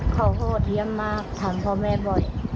เขาโหดเยี่ยมมากถามพ่อแม่บ่อย